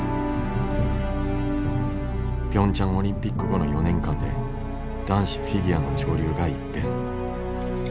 ピョンチャンオリンピック後の４年間で男子フィギュアの潮流が一変。